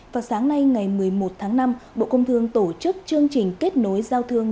vào sáng nay ngày một mươi một tháng năm bộ công thương tổ chức chương trình kết nối giao thương